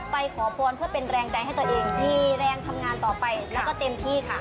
ขอพรเพื่อเป็นแรงใจให้ตัวเองมีแรงทำงานต่อไปแล้วก็เต็มที่ค่ะ